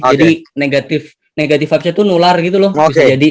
jadi negative vibesnya tuh nular gitu loh bisa jadi